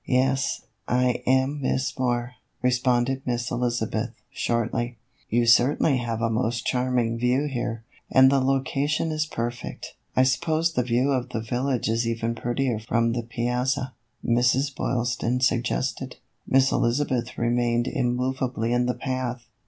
"Yes, I am Miss Moore," responded Miss Eliza beth, shortly. " You certainly have a most charming view here, and the location is perfect. I suppose the view of the village is even prettier from the piazza," Mrs. Boylston suggested. Miss Elizabeth remained immovably in the path.